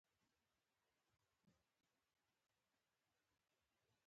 قاعده د ژبي بنسټ جوړوي.